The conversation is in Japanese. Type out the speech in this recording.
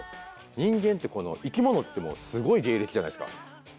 人間ってこの生き物ってもうすごい芸歴じゃないですか。